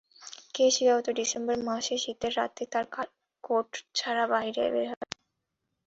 কে শিকাগোতে ডিসেম্বর মাসের শীতের রাতে তার কোট ছাড়া বাহিরে বের হবে?